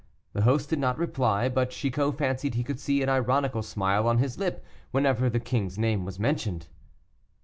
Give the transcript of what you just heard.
The host did not reply, but Chicot fancied he could see an ironical smile on his lip whenever the king's name was mentioned.